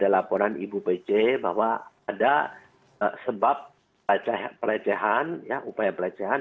laporan ibu pece bahwa ada sebab pelecehan upaya pelecehan